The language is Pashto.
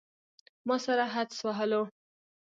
ما سره حدس وهلو.